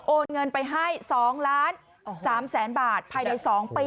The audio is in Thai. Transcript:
โอนเงินไปให้๒๓ล้านบาทภายใน๒ปี